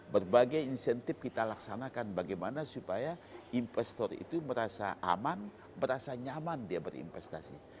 berbagai insentif kita laksanakan bagaimana supaya investor itu merasa aman merasa nyaman dia berinvestasi